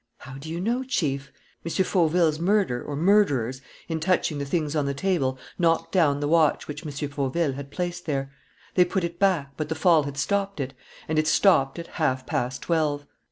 "How do you know, Chief?" "M. Fauville's murderer or murderers, in touching the things on the table, knocked down the watch which M. Fauville had placed there. They put it back; but the fall had stopped it. And it stopped at half past twelve."